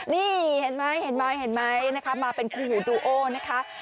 นี่เห็นไหมมาเป็นคู่ดูโอนะคะ